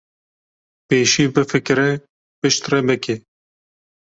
pêşî bifikire piştre bike